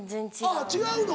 あっ違うの。